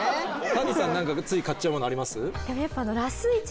谷さん何かつい買っちゃうものあります？